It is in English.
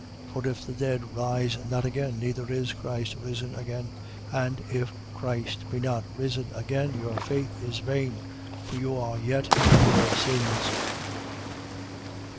15:16. For if the dead rise not again, neither is Christ risen again. 15:17. And if Christ be not risen again, your faith is vain: for you are yet in your sins.